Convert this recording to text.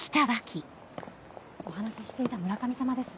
お話ししていた村上様です。